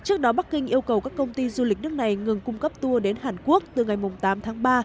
trước đó bắc kinh yêu cầu các công ty du lịch nước này ngừng cung cấp tour đến hàn quốc từ ngày tám tháng ba